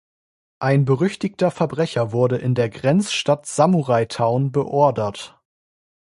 Ein berüchtigter Verbrecher wurde in die Grenzstadt Samurai Town beordert.